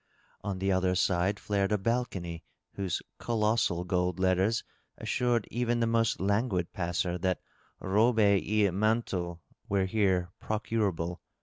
On the other side flared a balcony whose colossal gold letters assured even the most languid passer that " Robes et Manteaux " were here procurable.